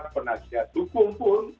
penasihat hukum pun